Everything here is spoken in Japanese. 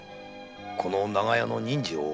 この長屋の人情を。